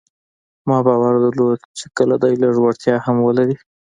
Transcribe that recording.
ما باور درلود چې که دی لږ وړتيا هم ولري.